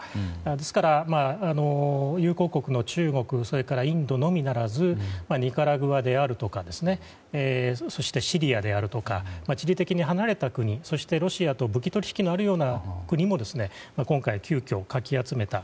ですから、友好国の中国、インドのみならずニカラグアであるとかシリアであるとか地理的に離れた国そして、ロシアと武器取引のあるような国も今回、急遽かき集めた。